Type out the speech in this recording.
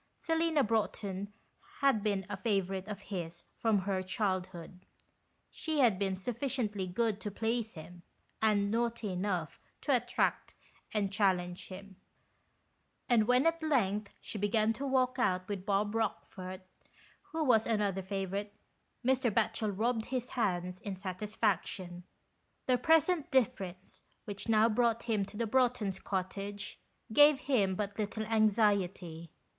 Selina Broughton had been a favourite of his from her childhood ; she had been sufficiently good to please him, and naughty enough to attract and challenge him ; and when at length she began to walk out with Bob Eockfort, who was another favourite, Mr. Batchel rubbed his hands in satisfaction. Their present difference, which now brought him to 44 THI BIOHFINS. the Broughtons' cottage, gave him but little anxiety.